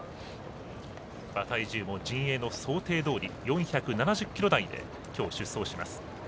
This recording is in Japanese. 馬体重も陣営の想定どおり４７０ｋｇ台で今日出走します。